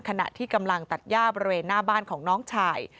ขณะที่กำลังตัดย่าบริเวณหน้าบ้านของน้องชาย